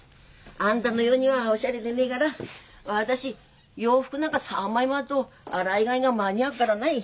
あんたのようにはオシャレでねえから私洋服なんか３枚もあっと洗い替えが間に合うからない。